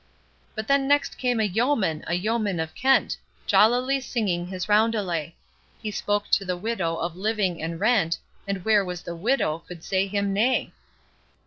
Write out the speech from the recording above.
But then next came a yeoman, a yeoman of Kent, Jollily singing his roundelay; He spoke to the widow of living and rent, And where was the widow could say him nay?